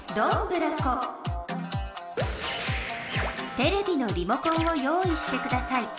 テレビのリモコンを用いしてください。